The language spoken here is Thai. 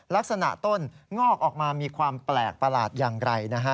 ลักษณะต้นงอกออกมามีความแปลกประหลาดอย่างไรนะฮะ